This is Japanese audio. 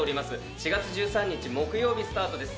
４月１３日木曜日スタートです